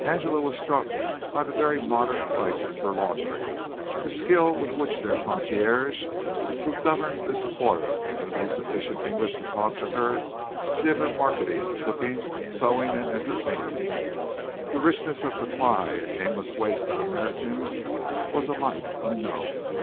Angela was struck by the very moderate prices for laundry, the skill with which their concierge who governed this quarter and who knew sufficient English to talk to her did her marketing, cooking, sewing and entertaining. The richness of supply and aimless waste of Americans was alike unknown.